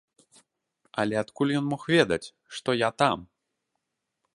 Але адкуль ён мог ведаць, што я там?